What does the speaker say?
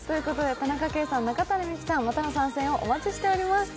田中圭さん、中谷美紀さん、またの参戦をお待ちしております。